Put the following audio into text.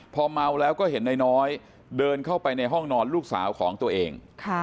พอเมาแล้วก็เห็นนายน้อยเดินเข้าไปในห้องนอนลูกสาวของตัวเอง